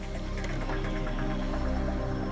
kita bisa membuat peralatan untuk menjaga keseluruhan